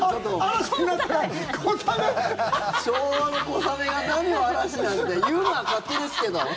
昭和の小雨が何を嵐なんて言うのは勝手ですけど。